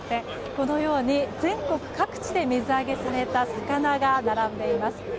このように全国各地で水揚げされた魚が並んでいます。